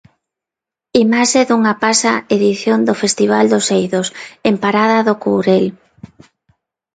Imaxe dunha pasa edición do Festival dos Eidos, en Parada do Courel.